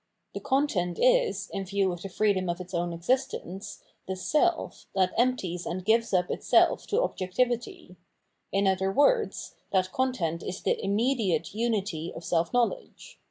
The content is, in view of the freedom, of its own existence, the seM that empties and gives up itself to objectivity; in other words, that 819 Absolute Knowledge content is the immediate unity of self knowledge.